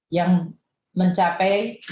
yang mencapai empat ratus tiga puluh satu